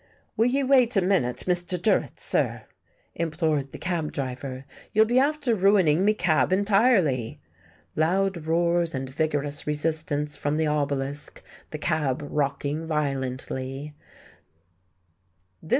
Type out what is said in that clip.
"Will ye wait a minute, Mr. Durrett, sir?" implored the cabdriver. "You'll be after ruining me cab entirely." (Loud roars and vigorous resistance from the obelisk, the cab rocking violently.)